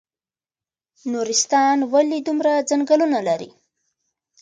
نورستان ولې دومره ځنګلونه لري؟